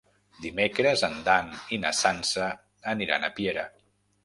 Dimecres en Dan i na Sança aniran a Piera.